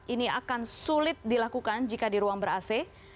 ini akan sulit dilakukan jika di ruang ber ac